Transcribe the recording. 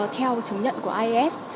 theo chứng nhận của ias